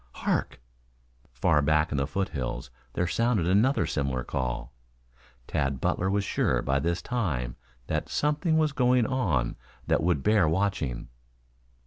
Hark!" Far back in the foothills there sounded another similar call. Tad Butler was sure, by this time, that something was going on that would bear watching.